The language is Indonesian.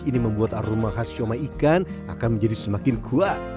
ini membuat aroma khas siomay ikan akan menjadi semakin kuat